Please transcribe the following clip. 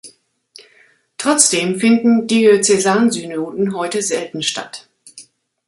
Trotzdem finden Diözesansynoden heute selten statt.